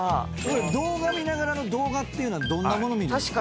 動画見ながらの動画というのはどんなもの見るんですか？